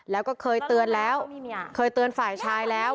แล้วก็เคยเตือนแล้วเคยเตือนฝ่ายชายแล้ว